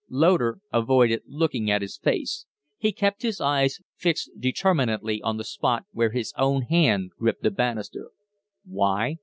Loder avoided looking at his face; he kept his eyes fixed determinately on the spot where his own hand gripped the banister. "Why?"